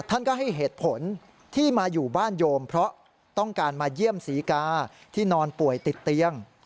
ท่านก็ให้เหตุผลที่มาอยู่บ้านโยมเพราะต้องการมาเยี่ยมศรีกาที่นอนป่วยติดเตียง